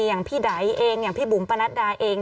อย่างพี่ไดเองอย่างพี่บุ๋มปนัดดาเอง